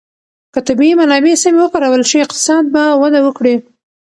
که طبیعي منابع سمې وکارول شي، اقتصاد به وده وکړي.